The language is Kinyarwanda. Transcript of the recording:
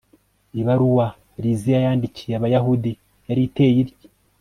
ibaruwa liziya yandikiye abayahudi yari iteye itya